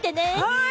はい！